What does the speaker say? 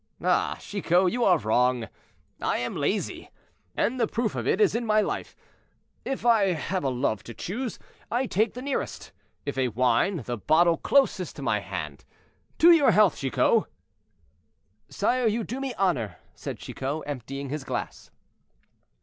"Ah, Chicot! you are wrong; I am lazy, and the proof of it is in my life. If I have a love to choose, I take the nearest; if a wine, the bottle close to my hand. To your health, Chicot." "Sire, you do me honor," said Chicot, emptying his glass.